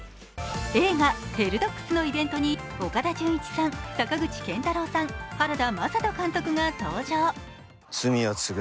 映画「ヘルドッグス」のイベントに、岡田准一さん、坂口健太郎さん、原田眞人監督が登場。